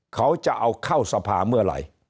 เขาจะเอาเข้าสภาเมื่อไหร่